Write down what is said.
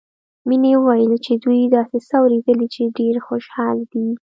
مينې وويل چې دوي داسې څه اورېدلي چې ډېرې خوشحاله دي